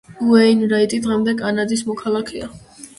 უეინრაიტი დღემდე კანადის მოქალაქეა.